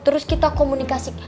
terus kita komunikasi